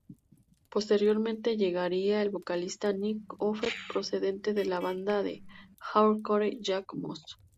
Posteriormente llegaría el vocalista Nic Offer procedente de la banda de hardcore Yah Mos.